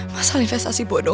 masalah investasi bodoh